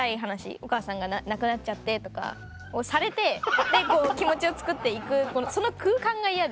「お母さんが亡くなっちゃって」とかをされて気持ちをつくって行くその空間が嫌で。